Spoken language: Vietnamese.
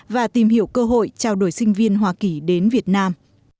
và tìm hiểu cơ hội trao đổi sinh viên hoa kỳ đến việt nam